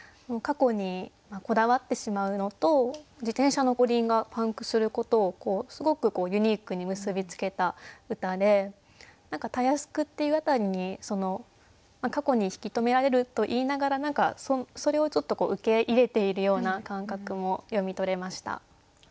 過去にこだわってしまうのと自転車の後輪がパンクすることをすごくユニークに結び付けた歌で何か「たやすく」っていう辺りに過去に引き留められると言いながら何かそれをちょっと受け入れているような感覚も読み取れました。